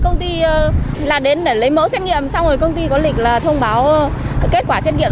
công ty là đến để lấy mẫu xét nghiệm xong rồi công ty có lịch là thông báo kết quả xét nghiệm